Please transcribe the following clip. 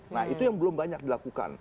nah itu yang belum banyak dilakukan